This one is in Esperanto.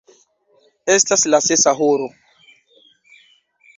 Estas la sesa horo.